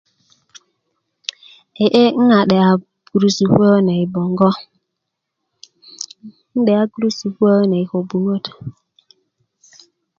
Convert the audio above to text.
e e' 'n a 'de'ya gurusu kuwe kune i bongo n 'de'ya gurusu kuwe kune i köbuŋwöt